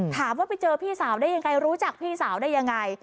ถามว่าไปเจอพี่สาวได้ยังไงรู้จักพี่สาวได้ยังไง